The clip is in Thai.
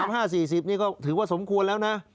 สามห้าสี่สิบนี่ก็ถือว่าสมควรแล้วนะ